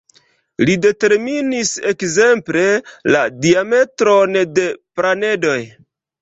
Li determinis ekzemple, la diametron de planedoj.